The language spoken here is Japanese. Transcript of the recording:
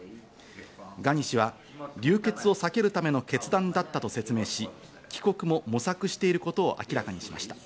ガニ氏は流血を避けるための決断だったと説明し、帰国も模索していることを明らかにしました。